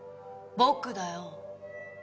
僕だよ。